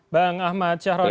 bang ahmad syahrul ini